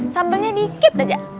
sambelnya dikit aja